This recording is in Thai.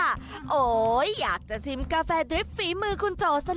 โหอยากจะชิมกาแฟดริปฝีมือคุณโจสังเล่าล่ะสิ